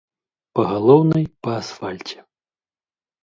Па галоўнай, па асфальце.